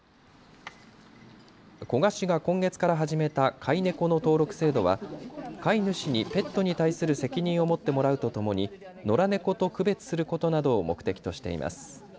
古河市が今月から始めた飼い猫の登録制度は飼い主にペットに対する責任を持ってもらうとともに野良猫と区別することなどを目的としています。